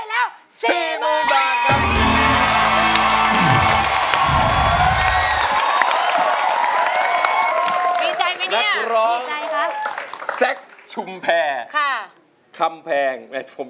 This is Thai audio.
ใจหายเลยครับ